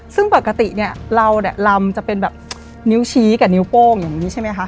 ซึ่งปกติเนี่ยเราเนี่ยลำจะเป็นแบบนิ้วชี้กับนิ้วโป้งอย่างนี้ใช่ไหมคะ